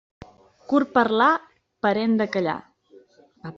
Curt parlar, parent de callar.